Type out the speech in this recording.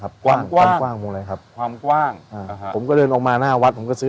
ความกว้างความกว้างผมเลยครับความกว้างผมก็เดินออกมาหน้าวัดผมก็ซื้อ